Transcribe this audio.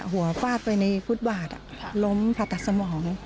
หัวปลาดไปในฟุตบาทล้มผลัตตะสมอง